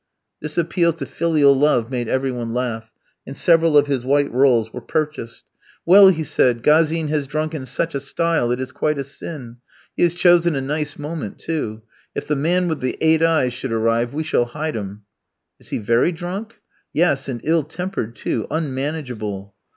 This appeal to filial love made every one laugh, and several of his white rolls were purchased. "Well," he said, "Gazin has drunk in such a style, it is quite a sin. He has chosen a nice moment too. If the man with the eight eyes should arrive we shall hide him." "Is he very drunk?" "Yes, and ill tempered too unmanageable."